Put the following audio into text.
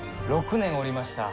６年おりました。